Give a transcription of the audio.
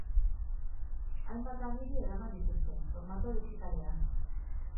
Hainbat agiri eraman dituzte, formato digitalean.